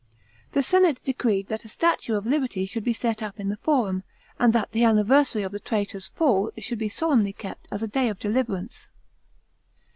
The senate decreed that a statue of Liberty should be set up in the Forum, and that the anniversary of the traitor's fall should be solemnly kept as a day of deliverance.